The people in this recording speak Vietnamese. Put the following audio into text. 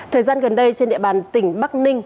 thời gian gần đây trên địa bàn tỉnh bắc ninh